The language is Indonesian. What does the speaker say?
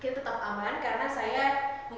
kita tetap aman karena saya menggunakan wear pack